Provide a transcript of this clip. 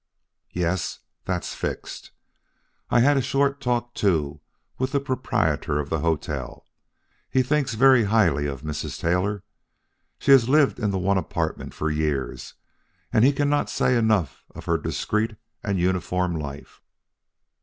"Yes; that's fixed. I had a short talk, too, with the proprietor of the hotel. He thinks very highly of Mrs. Taylor. She has lived in the one apartment for years, and he cannot say enough of her discreet and uniform life.